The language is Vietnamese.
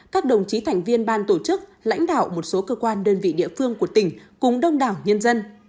các đồng chí thành viên ban tổ chức lãnh đạo một số cơ quan đơn vị địa phương của tỉnh cùng đông đảo nhân dân